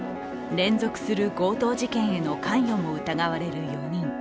連続する強盗事件への関与も疑われる４人。